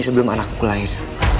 sebelum anakku lahir